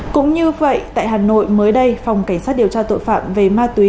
cũng như vậy tại hà nội mới đây phòng cảnh sát điều tra tội phạm về ma túy